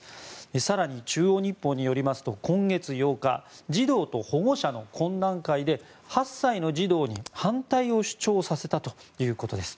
更に、中央日報によりますと今月８日児童と保護者の懇談会で８歳の児童に反対を主張させたということです。